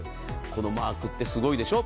このマークってすごいでしょ。